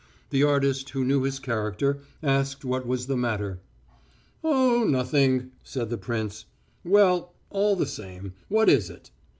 The artist, who knew his character, asked what was the matter. "Oh, nothing," said the prince. "Well, but all the same, what is it?"